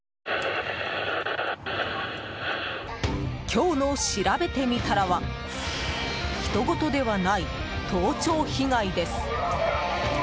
今日のしらべてみたらはひとごとではない盗聴被害です。